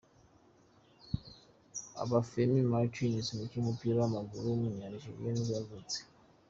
Obafemi Martins, umukinnyi w’umupira w’amaguru w’umunyanigeriya nibwo yavutse.